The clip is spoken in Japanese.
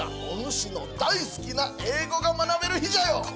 お主の大好きな英語が学べる日じゃよ！